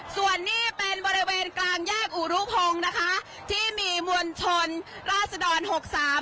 ส่วนนี้เป็นบริเวณกลางแยกอุรุพงศ์นะคะที่มีมวลชนราศดรหกสาม